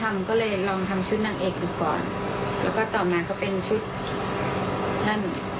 แม้การเหละเกียร์